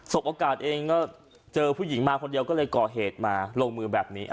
โอกาสเองก็เจอผู้หญิงมาคนเดียวก็เลยก่อเหตุมาลงมือแบบนี้